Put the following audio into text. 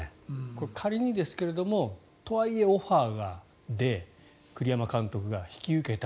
仮にですけどもとはいえオファーで栗山監督が引き受けた。